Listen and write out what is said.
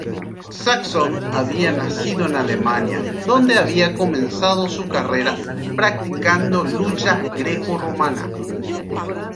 Saxon había nacido en Alemania, donde había comenzado su carrera practicando lucha grecorromana.